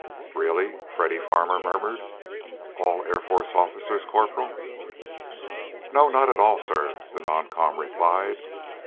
"Really?" Freddy Farmer murmured. "All Air Forces officers, Corporal?" "No, not all, sir," the non com replied.